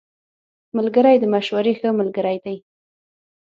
ملګری د مشورې ښه ملګری دی